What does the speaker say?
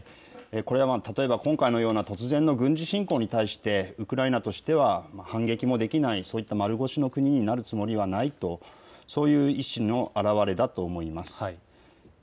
これは例えば今回のような突然の軍事侵攻に対してウクライナとしては反撃もできない、そういった丸腰の国になるつもりはないというそういう意思の表れだと思います。